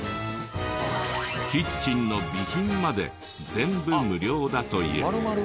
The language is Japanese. キッチンの備品まで全部無料だという。